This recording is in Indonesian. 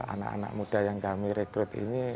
anak anak muda yang kami rekrut ini